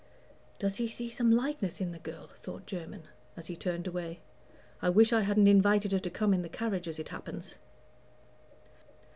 "Does he see some likeness in the girl?" thought Jermyn, as he turned away. "I wish I hadn't invited her to come in the carriage, as it happens."